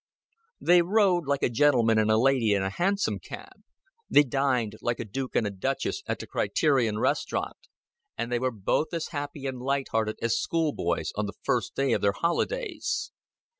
They rode like a gentleman and a lady in a hansom cab; they dined like a duke and a duchess at the Criterion restaurant; and they were both as happy and light hearted as schoolboys on the first day of their holidays.